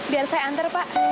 biar saya antar pak